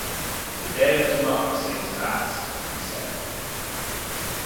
“The day of democracy is past,” he said.